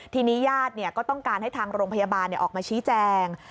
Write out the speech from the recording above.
ทีนี้ญาติก็ต้องการให้ทางโรงพยาบาลออกมาชี้แจง